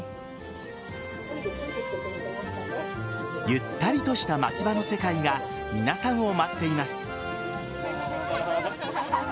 ゆったりとした牧場の世界が皆さんを待っています。